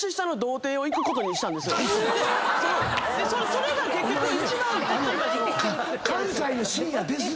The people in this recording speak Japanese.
それが結局一番。